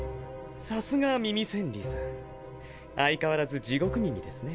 さすがは耳千里さん相変わらず地獄耳ですね。